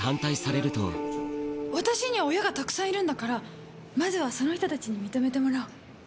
私には親がたくさんいるんだからまずはその人たちに認めてもらおう。